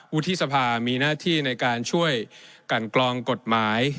วุฒิสภามีหน้าที่ในการช่วยกันกรองกฎหมาย